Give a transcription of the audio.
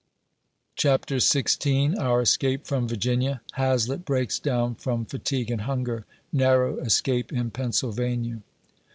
CHAPTER XVI. OUR ESCAPE FROM VIRGINIA HAZLETT BREAKS DOWN FROM FATIGUE AND IIUNGER — NARROW ESCAPE IN PENNSYLVANIA.